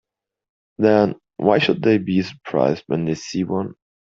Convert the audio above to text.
Then why should they be surprised when they see one?